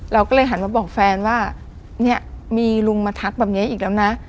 เราก็เลยหันมาบอกแฟนว่าเนี่ยมีลุงมาทักแบบนี้อีกแล้วนะ